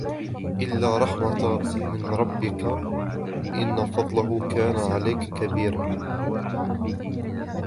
إِلَّا رَحْمَةً مِنْ رَبِّكَ إِنَّ فَضْلَهُ كَانَ عَلَيْكَ كَبِيرًا